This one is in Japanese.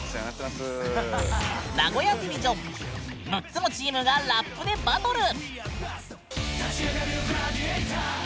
６つのチームがラップでバトル！